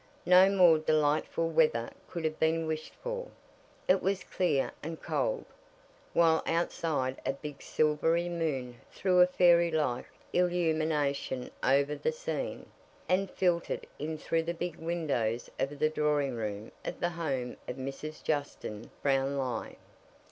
No more delightful weather could have been wished for. It was clear and cold, while outside a big silvery moon threw a fairy like illumination over the scene, and filtered in through the big windows of the drawing room of the home of Mrs. Justin Brownlie.